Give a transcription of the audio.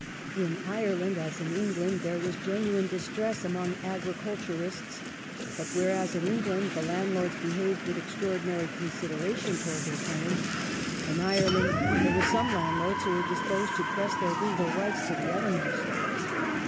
In Ireland, as in England, there was genuine distress among agriculturists, but whereas in England the landlords behaved with extraordinary consideration towards their tenants, in Ireland there were some landlords who were disposed to press their legal rights to the uttermost.